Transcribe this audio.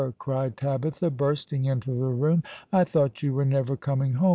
cried Tabitha, bursting into the room. "I thought you were never coming home.